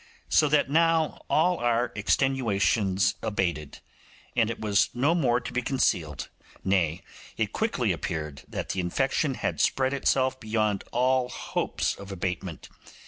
So that now all our extenuations abated, and it was no more to be concealed; nay, it quickly appeared that the infection had spread itself beyond all hopes of abatement.